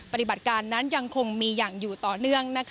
ปฏิบัติการนั้นยังคงมีอย่างอยู่ต่อเนื่อง